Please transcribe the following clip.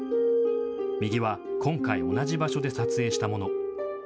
右は今回、同じ場所で撮影したもの。